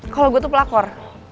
kalau gue tuh pelakor